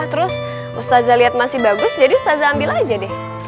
terus ustadz zah liat masih bagus jadi ustadz zah ambil aja deh